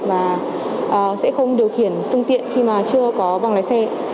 và sẽ không điều khiển phương tiện khi mà chưa có bằng lái xe